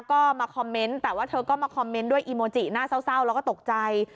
ก็มาคอมเมนต์แต่ว่าเธอก็มาคอมเมนต์ด้วยอีโมจิน่าเศร้าแล้วก็ตกใจ